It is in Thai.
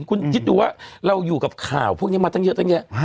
คิดดูว่าเราอยู่กับข่าวพวกเนี่ยมาเยอะ